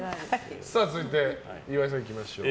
続いて、岩井さん行きましょう。